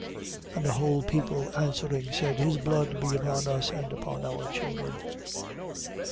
27:25. And the whole people answering, said: His blood be upon us and upon our children.